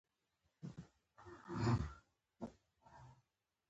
سمنک پخول د ښځو دود دی.